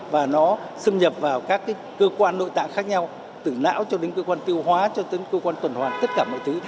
và nó xâm nhập vào các cơ quan nội tạng khác nhau từ não cho đến cơ quan tiêu hóa cho tới cơ quan tuần hoàn tất cả mọi thứ